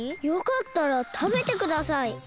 「よかったらたべてください。